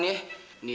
benar yah ya